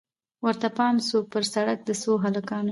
ورته پام سو پر سړک د څو هلکانو